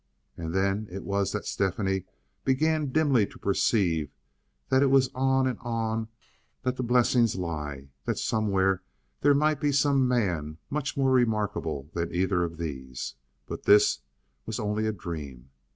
And then it was that Stephanie began dimly to perceive that it was on and on that the blessings lie, that somewhere there might be some man much more remarkable than either of these; but this was only a dream.